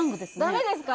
ダメですか？